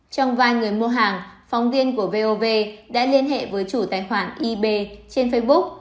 trong vài người mua hàng phóng viên của vov đã liên hệ với chủ tài khoản ebay trên facebook